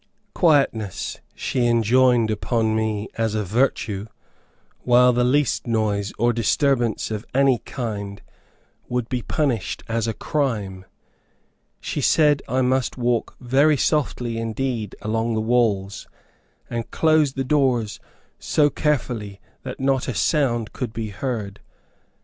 Quietness, she enjoined upon me as a virtue, while the least noise, or disturbance of any kind, would be punished as a crime. She said I must walk very softly indeed along the halls, and close the doors so carefully that not a sound could be heard.